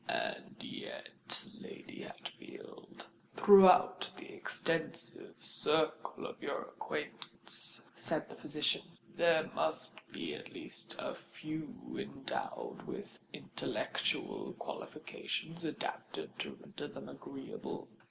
"And yet, Lady Hatfield, throughout the extensive circle of your acquaintance," said the physician, "there must be at least a few endowed with intellectual qualifications adapted to render them agreeable.